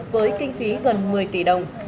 với kinh phí gần một mươi tỷ đồng